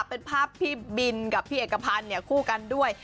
เป็นภาพพี่บินกับพี่เอกพันธ์คู่กันด้วย